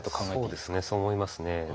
そうですねそう思いますね。